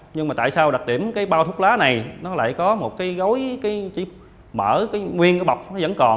nhưng mà tại sao đặc điểm cái bao thuốc lá này nó lại có một cái gối mở cái nguyên cái bọc nó vẫn còn